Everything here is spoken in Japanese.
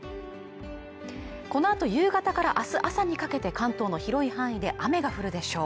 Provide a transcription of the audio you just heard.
このあと夕方からあす朝にかけて関東の広い範囲で雨が降るでしょう